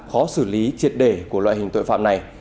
khó xử lý triệt đề của loại hình tội phạm này